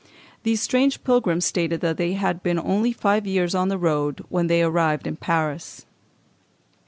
These strange pilgrims stated that they had been only five years on the road when they arrived in Paris.